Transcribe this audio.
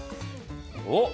おっ！